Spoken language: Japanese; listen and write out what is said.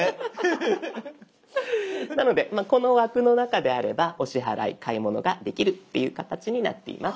なのでこの枠の中であればお支払い買い物ができるっていう形になっています。